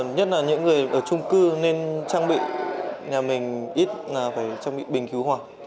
nhất là những người ở trung cư nên trang bị nhà mình ít là phải trang bị bình cứu hỏa